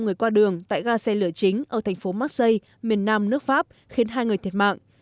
người qua đường tại ga xe lửa chính ở thành phố massai miền nam nước pháp khiến hai người thiệt mạng